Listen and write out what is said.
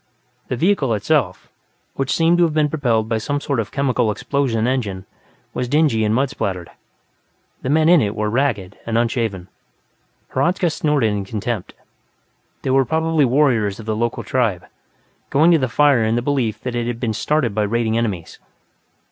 The vehicle itself, which seemed to be propelled by some sort of chemical explosion engine, was dingy and mud splattered; the men in it were ragged and unshaven. Hradzka snorted in contempt; they were probably warriors of the local tribe, going to the fire in the belief that it had been started by raiding enemies.